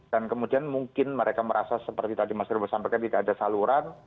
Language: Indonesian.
dan kemudian mungkin mereka merasa seperti tadi mas rufus sampaikan tidak ada saluran